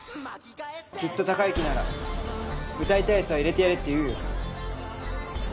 きっと孝之なら歌いたいヤツは入れてやれって言うよ。